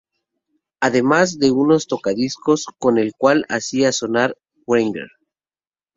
Además de un tocadiscos con el cual hacía sonar Wagner.